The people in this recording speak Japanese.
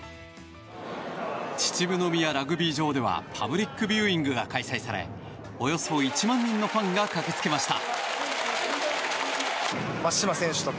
秩父宮ラグビー場ではパブリックビューイングが開催されおよそ１万人のファンが駆けつけました。